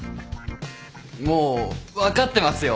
もう分かってますよ。